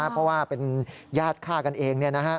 เพราะว่าเป็นญาติฆ่ากันเอง